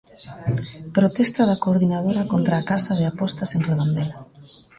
Protesta da Coordinadora contra a casa de apostas en Redondela.